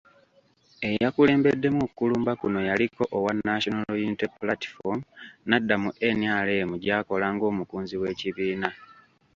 Eyakulembeddemu okulumba kuno yaliko owa National Unity Platform n'adda mu NRM gy'akola ng'omukunzi w'ekibiina.